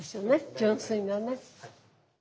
純粋なね。